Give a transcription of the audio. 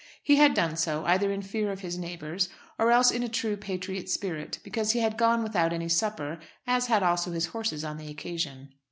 He had done so, either in fear of his neighbours, or else in a true patriot spirit because he had gone without any supper, as had also his horses, on the occasion.